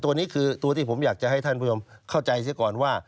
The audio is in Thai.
ตัวนี้คือตัวที่ผมอยากจะให้ท่านผู้ชมเข้าใจเสียก่อนว่า